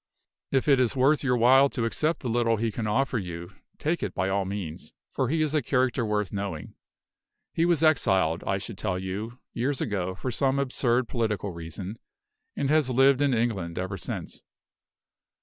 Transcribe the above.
If it is worth your while to accept the little he can offer you, take it by all means, for he is a character worth knowing. He was exiled, I should tell you, years ago, for some absurd political reason, and has lived in England ever since.